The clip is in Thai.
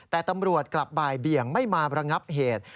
แต่ตำรวจกลับบ่ายเบี่ยงไม่มาระงับเหตุ